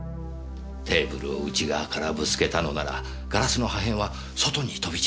テーブルを内側からぶつけたのならガラスの破片は外に飛び散りますよね？